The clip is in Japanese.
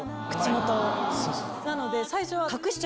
なので最初は。